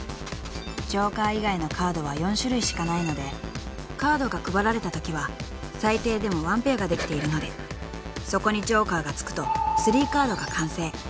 ［ジョーカー以外のカードは４種類しかないのでカードが配られたときは最低でも１ペアができているのでそこにジョーカーが付くと３カードが完成］